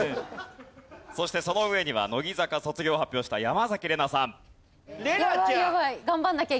そしてその上には乃木坂卒業を発表した山崎怜奈さん。